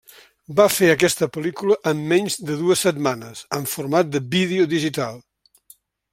Va fer aquesta pel·lícula en menys de dues setmanes, en format de vídeo digital.